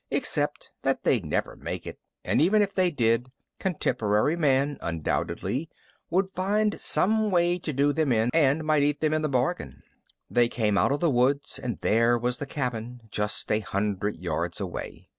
Except that they'd never make it and even if they did, contemporary Man undoubtedly would find some way to do them in and might eat them in the bargain. They came out of the woods and there was the cabin, just a hundred yards away.